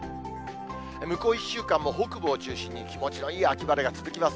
向こう１週間も北部を中心に気持ちのいい秋晴れが続きます。